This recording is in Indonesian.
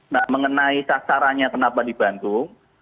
nah mengenai sasarannya kenapa di bandung